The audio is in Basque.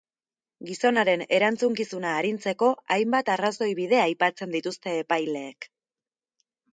Gizonaren erantzukizuna arintzeko hainbat arrazoibide aipatzen dituzte epaileek.